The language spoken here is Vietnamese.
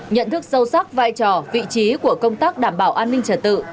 nhận thức sâu sắc vai trò vị trí của công tác đảm bảo an ninh trật tự